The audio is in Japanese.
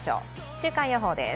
週間予報です。